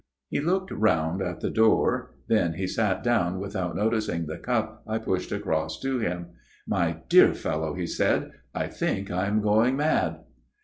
" He looked round at the door ; then he sat down without noticing the cup I pushed across to him. "' My dear fellow,' he said. ' I think I am going mad.'